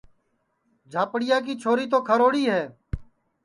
جھاپڑِیا چھوری تو کھروڑی ہے